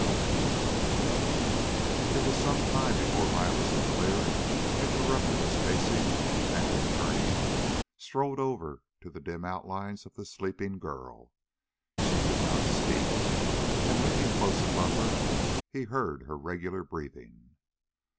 20 It was some time before Riley Sinclair interrupted his pacing and, turning, strode over to the dim outlines of the sleeping girl. She did not speak, and, leaning close above her, he heard her regular breathing.